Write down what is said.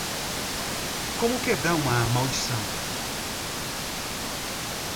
Como quebrar uma maldição